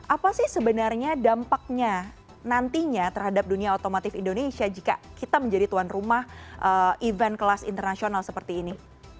apa sih sebenarnya dampaknya nantinya terhadap dunia otomotif indonesia jika kita menjadi tuan rumah event kelas internasional seperti ini